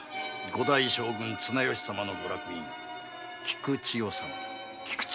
五代将軍・綱吉様のご落胤・菊千代様だ。